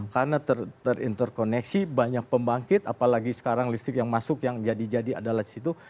karena terinterkoneksi banyak pembangkit apalagi sekarang listrik yang masuk yang jadi jadi adalah listrik itu